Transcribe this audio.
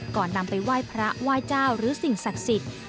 ก่อนนำไปไหว้พระไหว้เจ้าหรือสิ่งศักดิ์สิทธิ์